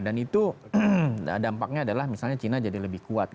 dan itu dampaknya adalah misalnya cina jadi lebih kuat